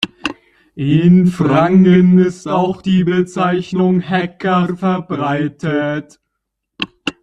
In Franken ist auch die Bezeichnung "Häcker" verbreitet.